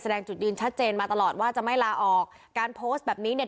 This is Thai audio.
แสดงจุดยืนชัดเจนมาตลอดว่าจะไม่ลาออกการโพสต์แบบนี้เนี่ย